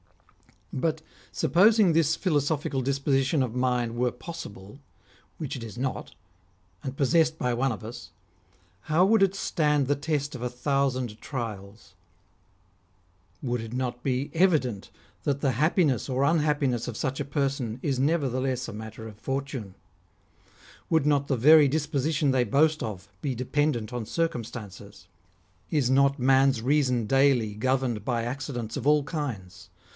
But, supposing this philo sophical disposition of mind were possible, which it is not, and possessed by one of us, how would it stand the test of a thousand trials ? Would it not be evident that the happiness or unhappiness of such a person is never theless a matter of fortune ? Would not the very dis position they boast of be dependent on circumstances ? Is not man's reason daily governed by accidents of all kinds